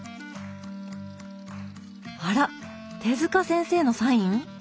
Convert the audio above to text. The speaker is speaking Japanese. あら手塚先生のサイン？